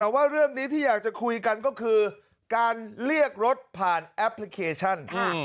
แต่ว่าเรื่องนี้ที่อยากจะคุยกันก็คือการเรียกรถผ่านแอปพลิเคชัน